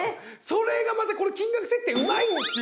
それがまたこの金額設定うまいんですよ。